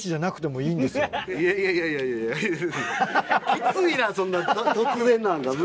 きついなそんな突然なんか。